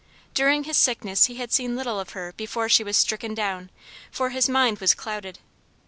During his sickness he had seen little of her before she was stricken down, for his mind was clouded.